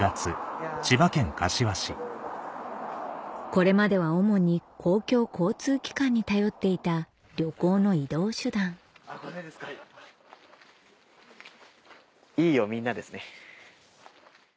これまでは主に公共交通機関に頼っていた旅行の移動手段「いいよみんな」ですね。